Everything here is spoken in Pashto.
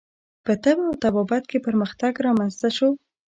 په طب او طبابت کې پرمختګ رامنځته شو.